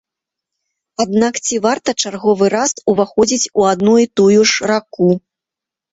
Аднак, ці варта чарговы раз уваходзіць у адну і тую ж раку?